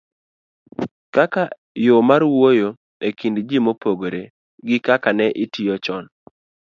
kaka yo mar wuoyo e kind ji mopogore gi kaka ne itiyo chon.